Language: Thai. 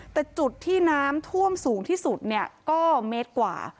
แต่จุดที่น้ำท่วมสูงที่สุดเนี่ยก็เมตรกว่า